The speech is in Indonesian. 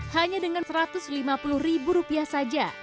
hanya dengan satu ratus lima puluh ribu rupiah saja